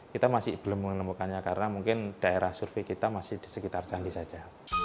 kita masih belum menemukannya karena mungkin daerah survei kita masih di sekitar canggih saja